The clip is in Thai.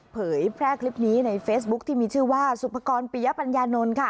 เผยแพร่คลิปนี้ในเฟซบุ๊คที่มีชื่อว่าสุภกรปียปัญญานนท์ค่ะ